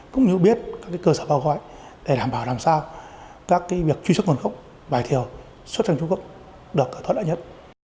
cũng như biết các cơ sở bao gói để đảm bảo làm sao các việc truy xuất nguồn gốc vải thiều xuất sang trung quốc được thuận lợi nhất